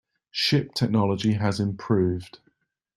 Ship technology has improved.